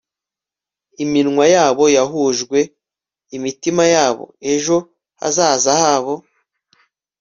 iminwa yabo yahujwe, imitima yabo, ejo hazaza habo